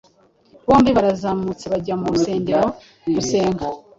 Bombi barazamutse bajya mu rusengero gusenga.